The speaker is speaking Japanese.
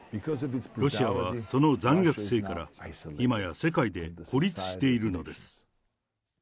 ロシアはその残虐性から、今や世界で孤立しているのです。